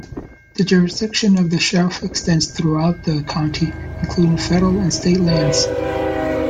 The jurisdiction of the Sheriff extends throughout the county, including federal and state lands.